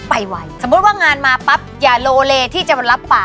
ปลับมือค่ะคุณผู้ชม